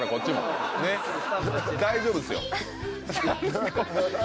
大丈夫ですよ。